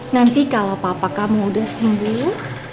nanti kalau papa kamu udah sembuh